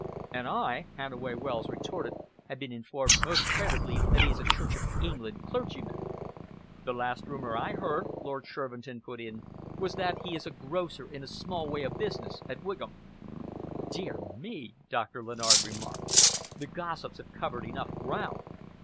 "And I," Hannaway Wells retorted, "have been informed most credibly that he is a Church of England clergyman." "The last rumour I heard," Lord Shervinton put in, "was that he is a grocer in a small way of business at Wigan." "Dear me!" Doctor Lennard remarked. "The gossips have covered enough ground!